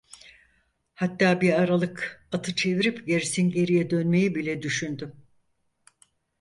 Hatta bir aralık atı çevirip gerisingeriye dönmeyi bile düşündüm.